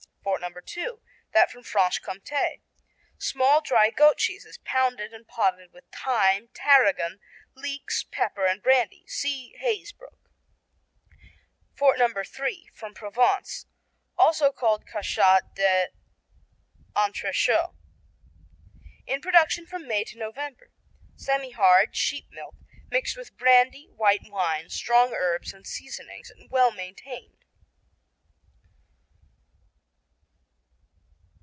Fort No. II: That from Franche Comté Small dry goat cheeses pounded and potted with thyme, tarragon, leeks, pepper and brandy. (See Hazebrook.) Fort No. III: From Provence, also called Cachat d'Entrechaux. In production from May to November. Semihard, sheep milk, mixed with brandy, white wine, strong herbs and seasonings and well marinated.